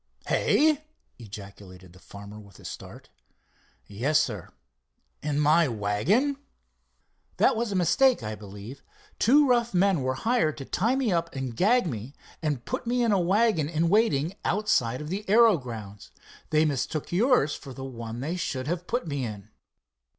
"Hey!" ejaculated the farmer, with a start. "Yes, sir." "In my wagon?" "That was a mistake, I believe. Two rough men were hired to tie me up and gag me and put me in a wagon in waiting outside of the aero grounds. They mistook yours for the one they should have put me in."